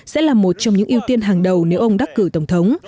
sẽ là một trong những ưu tiên hàng đầu nếu ông đắc cử tổng thống